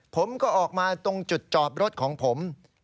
ผมก็ออกมาตรงจุดจอบรถของผม